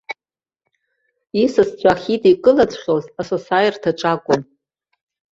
Исасцәа ахьидикылаҵәҟьоз асасааирҭаҿ акәын.